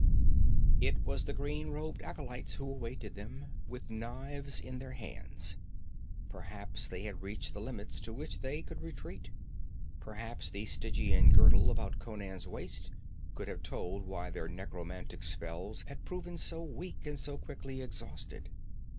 It was the green robed acolytes who awaited them, with knives in their hands. Perhaps they had reached the limits to which they could retreat. Perhaps the Stygian girdle about Conan's waist could have told why their necromantic spells had proven so weak and so quickly exhausted.